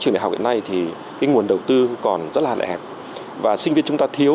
ngoài ra nguồn đầu tư còn rất là đẹp và sinh viên chúng ta thiếu